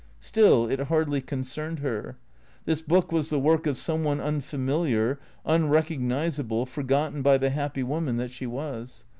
Still, it hardly concerned her. This book was the work of some one unfamiliar, unrecognizable, forgotten by the happy woman that she was.